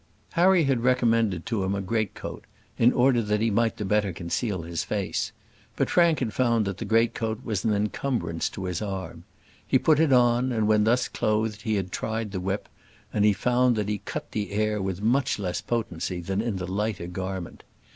Harry had recommended to him a great coat, in order that he might the better conceal his face; but Frank had found that the great coat was an encumbrance to his arm. He put it on, and when thus clothed he had tried the whip, he found that he cut the air with much less potency than in the lighter garment.